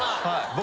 僕。